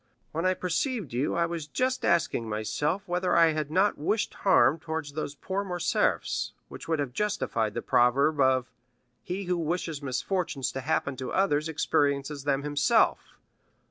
When I perceived you, I was just asking myself whether I had not wished harm towards those poor Morcerfs, which would have justified the proverb of 'He who wishes misfortunes to happen to others experiences them himself.